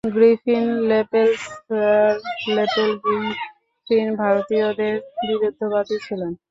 Griffin, Lepel sir Lepel Griffin ভারতীয়দের বিরুদ্ধবাদী ছিলেন।